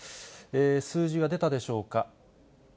数字が出たでしょうか。